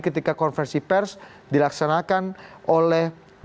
ketika konversi pers dilaksanakan oleh